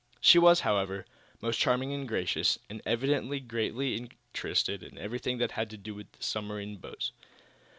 She was, however, most charming and gracious, and evidently greatly interested in everything that had to do with submarine boats.